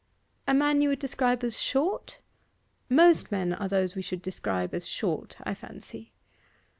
'A man you would describe as short? Most men are those we should describe as short, I fancy.